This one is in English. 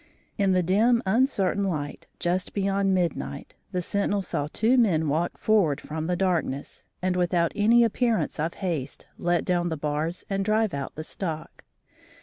In the dim uncertain light, just beyond midnight, the sentinel saw two men walk forward from the darkness, and without any appearance of haste, let down the bars and drive out the stock.